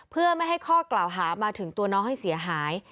เพื่อไม่ให้ข้อกล่าวหามาถึงตัวน้องให้เสียหาย